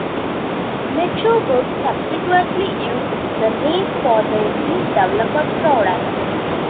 Metrowerks subsequently used the name for their new developer product.